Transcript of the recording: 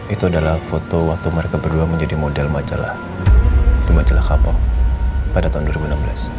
itu adalah foto waktu mereka berdua menjadi model majalah majalah kapal pada tahun dua ribu enam belas